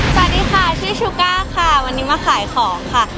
สวัสดีค่ะชื่อชูก้าค่ะวันนี้มาขายของค่ะ